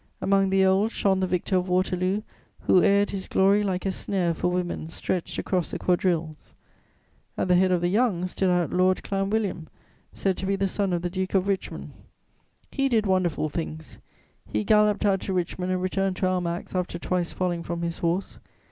Among the old, shone the victor of Waterloo, who aired his glory like a snare for women stretched across the quadrilles; at the head of the young, stood out Lord Clanwilliam, said to be the son of the Duke of Richmond. He did wonderful things: he galloped out to Richmond and returned to Almack's after twice falling from his horse.